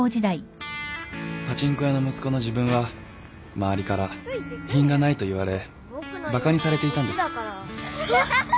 パチンコ屋の息子の自分は周りから品がないと言われバカにされていたんです。